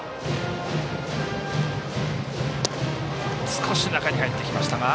少し中に入ってきましたが。